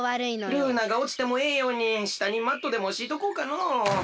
ルーナがおちてもええようにしたにマットでもしいとこうかのう。